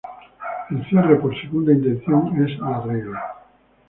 El cierre por segunda intención es la regla.